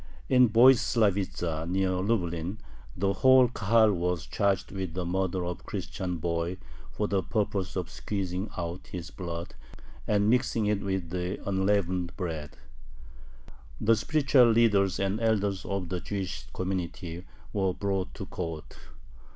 In Voislavitza, near Lublin, the whole Kahal was charged with the murder of a Christian boy for the purpose of squeezing out his blood and mixing it with the unleavened bread. The spiritual leaders and elders of the Jewish community were brought to court.